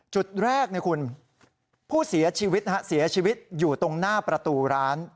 จุดแรกผู้เสียชีวิตอยู่ตรงหน้าประตูร้าน